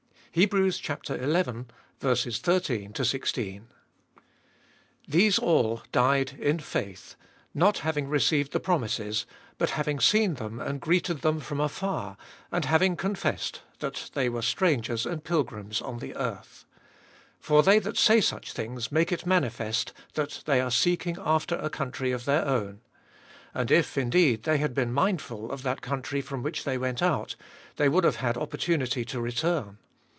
Tboliest of ail 445 CIV. FAITH, AND ITS PILGRIM SPIRIT. XI.— 13. These all died in faith, not having received the promises, but naving seen them and greeted1 them from afar, and having confessed that they were strangers and pilgrims on the earth. 14. For they that say such things make it manifest that they are seeking after a country of their own. 15. And if indeed they had been mindful of that country from which they went out, they would have had opportunity to return.